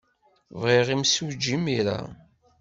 Bɣiɣ imsujji imir-a!